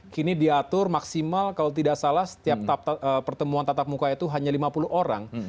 kini diatur maksimal kalau tidak salah setiap pertemuan tatap muka itu hanya lima puluh orang